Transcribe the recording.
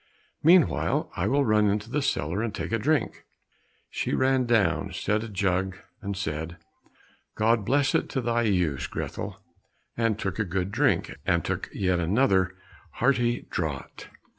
Meanwhile, I will run into the cellar, and take a drink." She ran down, set a jug, said, "God bless it to thy use, Grethel," and took a good drink, and took yet another hearty draught.